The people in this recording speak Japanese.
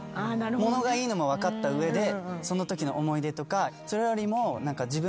ものがいいのも分かった上でそのときの思い出とか。